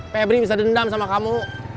febri bisa dendam sama kamu